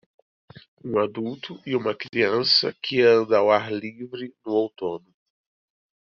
Um adulto e uma criança que anda ao ar livre no outono.